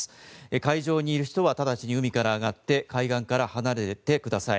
海上にいる人は直ちに海から上がって海岸から離れてください。